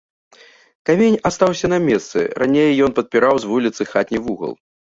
Камень астаўся на месцы, раней ён падпіраў з вуліцы хатні вугал.